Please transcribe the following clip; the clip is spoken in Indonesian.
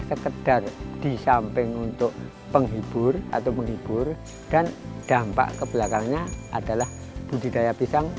sekedar di samping untuk penghibur atau menghibur dan dampak kebelakangnya adalah budidaya pisang